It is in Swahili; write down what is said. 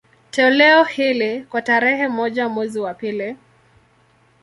Toleo hili, kwa tarehe moja mwezi wa pili